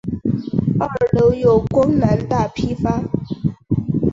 二楼有光南大批发。